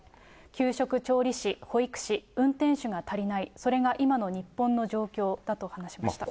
給食調理師、保育士、運転手が足りない、それが今の日本の状況だと話しました。